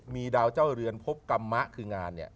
มีเดาเจ้าเรือนภพกรรมะคืองาน